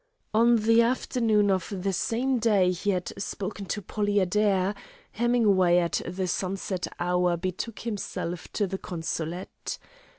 On the afternoon of the same day he had spoken to Polly Adair, Hemingway at the sunset hour betook himself to the consulate.